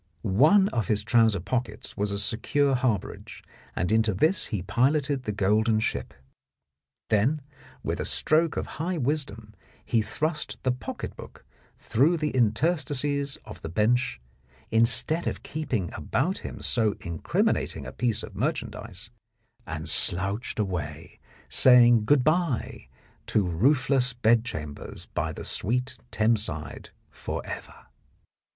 One of his trouser pockets was a secure harbourage, and into this he piloted the golden ship. Then, with a stroke of high wisdom, he thrust the pocket book through the interstices of the bench instead of keeping about him so incrimin ating a piece of merchandise, and slouched away, saying good bye to roofless bedchambers by the sweet Thames side for ever.